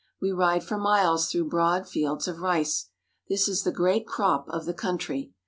We ride for miles through broad fields of rice. This is the great crop of the country.